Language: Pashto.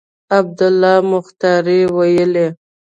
عبدالله مختیار ویلي